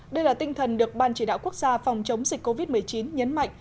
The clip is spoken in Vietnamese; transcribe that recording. đây là tinh thần được ban chỉ đạo quốc gia phòng chống dịch covid một mươi chín nhấn mạnh